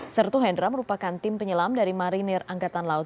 sertu hendra merupakan tim penyelam dari marinir angkatan laut